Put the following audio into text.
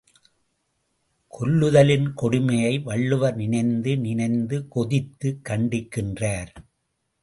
கொல்லுதலின் கொடுமையை வள்ளுவர் நினைந்து நினைந்து கொதித்து கண்டிக்கின்றார்.